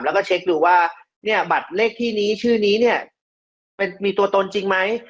แล้วก็เช็คดูว่าเนี่ยบัตรเลขที่นี้ชื่อนี้เนี่ยมีตัวตนจริงไหม